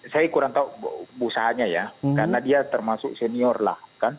saya kurang tahu usahanya ya karena dia termasuk senior lah